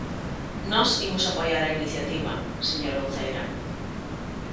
Nós imos apoiar a iniciativa, señora Uceira.